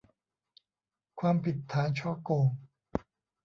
ความผิดฐานฉ้อโกง